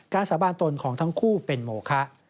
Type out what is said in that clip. สาบานตนของทั้งคู่เป็นโมคะ